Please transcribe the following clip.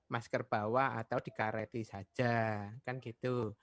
masker bawah atau dikareti saja kan gitu